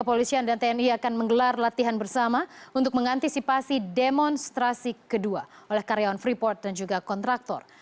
kepolisian dan tni akan menggelar latihan bersama untuk mengantisipasi demonstrasi kedua oleh karyawan freeport dan juga kontraktor